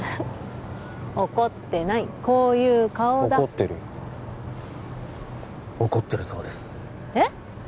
怒ってないこういう顔だ怒ってるよ怒ってるそうですえっ？